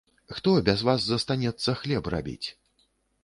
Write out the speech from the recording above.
Хто без вас застанецца хлеб рабіць?